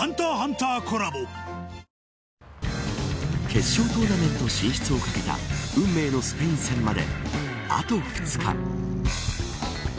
決勝トーナメント進出をかけた運命のスペイン戦まであと２日。